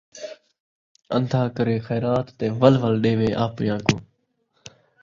ان٘دھا کرے خیرات تے ول ول ݙیوے آپݨیاں کوں